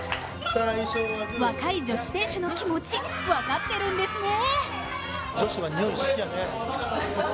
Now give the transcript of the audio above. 若い女子選手の気持ち、分かってるんですね。